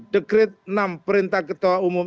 dekret enam perintah ketua umum